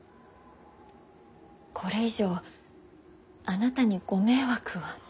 これ以上あなたにご迷惑は。